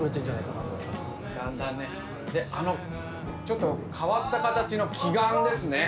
ちょっと変わった形の奇岩ですね。